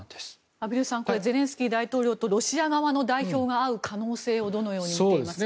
畔蒜さんゼレンスキー大統領とロシア側の代表が会う可能性をどのように見ていますか。